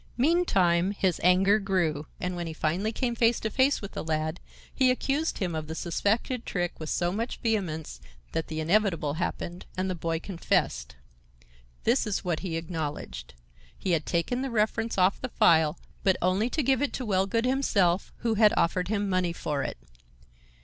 Meantime his anger grew and when he finally came face to face with the lad, he accused him of the suspected trick with so much vehemence that the inevitable happened, and the boy confessed. This is what he acknowledged. He had taken the reference off the file, but only to give it to Wellgood himself, who had offered him money for it.